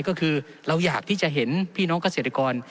ก็คือเราอยากที่จะเห็นพี่น้องเกษตรกร